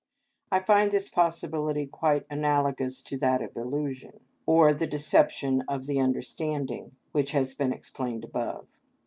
I find this possibility quite analogous to that of illusion, or the deception of the understanding, which has been explained above.